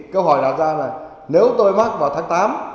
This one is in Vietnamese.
câu hỏi đặt ra là nếu tôi mắc vào tháng tám